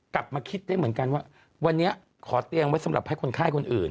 กลับมาคิดได้เหมือนกันว่าวันนี้ขอเตียงไว้สำหรับให้คนไข้คนอื่น